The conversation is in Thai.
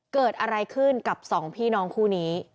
เกิดอะไรขึ้นกับสองพี่น้องคู่นี้